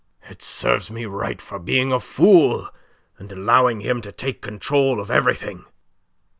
It serves me right for being a fool, and allowing him to take control of everything!"